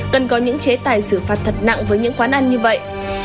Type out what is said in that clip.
cần có những chế tài xử phạt thật nặng với những quán ăn như vậy